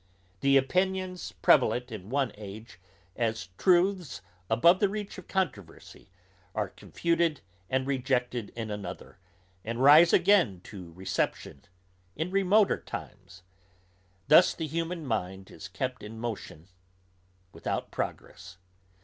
The opinions prevalent in one age, as truths above the reach of controversy, are confuted and rejected in another, and rise again to reception in remoter times. Thus the human mind is kept in motion without progress.